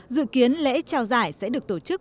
dự kiến lễ trao giải sẽ được tổ chức